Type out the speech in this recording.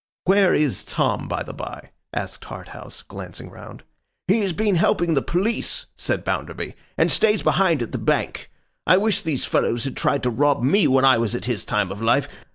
'Where is Tom, by the by?' asked Harthouse, glancing round. 'He has been helping the police,' said Bounderby, 'and stays behind at the Bank. I wish these fellows had tried to rob me when I was at his time of life.